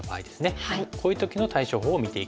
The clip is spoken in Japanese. こういう時の対処法を見ていきます。